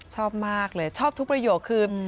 ชอบมากเลยชอบทุกประโยคคือ